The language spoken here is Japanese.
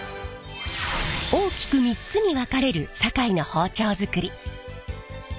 大きく３つに分かれる堺の包丁づくり。